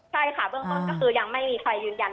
ใช่ค่ะเบื้องต้นก็คือยังไม่มีใครยืนยัน